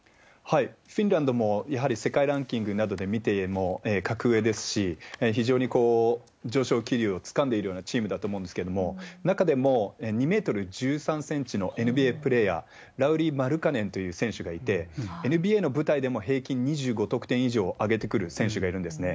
フィンランドもやはり世界ランキングで見ても格上ですし、非常に上昇気流をつかんでいるようなチームだと思うんですけれども、中でも２メートル１３センチのＮＢＡプレーヤー、ラウリ・マルカネンという選手がいて、ＮＢＡの舞台でも平均２５得点以上挙げてくる選手がいるんですね。